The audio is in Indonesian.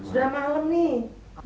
sudah malem nih